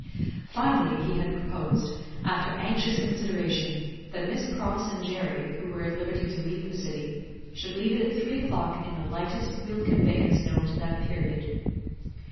Finally, he had proposed, after anxious consideration, that Miss Pross and Jerry, who were at liberty to leave the city, should leave it at three o'clock in the lightest wheeled conveyance known to that period.